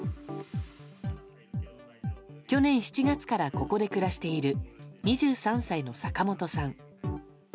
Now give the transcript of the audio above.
去年７月からここで暮らしている２３歳の坂本さん。